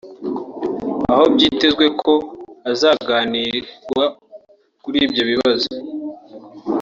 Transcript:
aho byitezwe ko hazaganirwa kuri ibyo bibazo